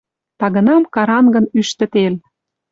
Тагынам карангын ӱштӹ тел.